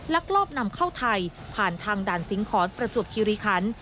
ลักลอบนำเข้าไทยผ่านทางด่านสิงหอนประจวบคิริคัน